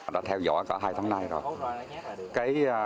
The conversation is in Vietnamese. đã theo dõi cả hai tháng nay rồi